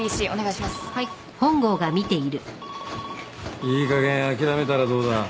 いいかげん諦めたらどうだ。